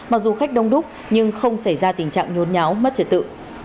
mặc dù khách đông đúc nhưng không xảy ra tình trạng nhốn nháo mất trật tự